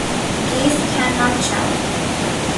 Geese can not jump.